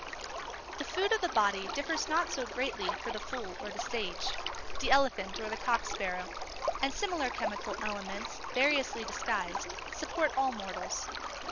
The food of the body differs not so greatly for the fool or the sage, the elephant or the cock sparrow; and similar chemical elements, variously disguised, support all mortals.